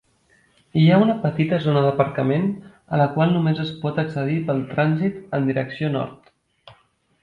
Hi ha una petita zona d'aparcament a la qual només es pot accedir pel trànsit en direcció nord.